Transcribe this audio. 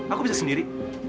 aku bisa sendiri